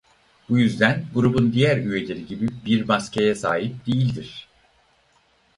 Bu yüzden grubun diğer üyeleri gibi bir maskeye sahip değildir.